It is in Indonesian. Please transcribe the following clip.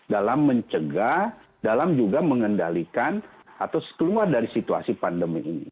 dalam mencegah dalam juga mengendalikan atau keluar dari situasi pandemi ini